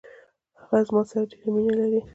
هغه زما سره ډیره مینه لري.